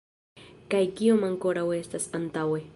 Kaj kiom ankoraŭ estas antaŭe!